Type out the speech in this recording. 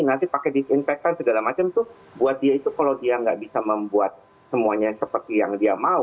nanti pakai disinfektan segala macam itu buat dia itu kalau dia nggak bisa membuat semuanya seperti yang dia mau